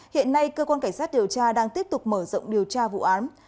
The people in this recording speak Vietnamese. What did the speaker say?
hiện nay cơ quan cảnh sát điều tra đang tiếp tục mở rộng điều tra vụ án